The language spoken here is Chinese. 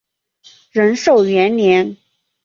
仁寿元年。